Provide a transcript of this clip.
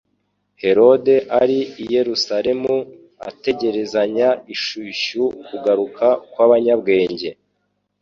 Herode ari i Yerusalemu ategerezanya ishyushyu kugaruka kw'abanyabwenge.